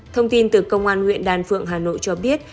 thông tin từ công an huyện đàn phượng hà nội cho biết